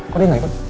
kok dia gak ikut